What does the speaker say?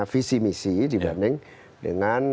visi misi dibanding dengan